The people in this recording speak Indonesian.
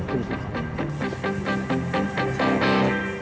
disitu gak ada orang men